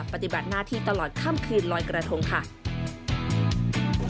ปฏิบัติหน้าที่ตลอดค่ำคืนลอยกระทงค่ะ